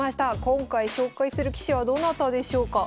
今回紹介する棋士はどなたでしょうか？